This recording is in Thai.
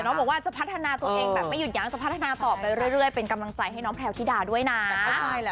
บอกว่าจะพัฒนาตัวเองแบบไม่หยุดยั้งจะพัฒนาต่อไปเรื่อยเป็นกำลังใจให้น้องแพลวธิดาด้วยนะ